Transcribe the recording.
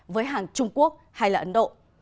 với hàng trung quốc hay ấn độ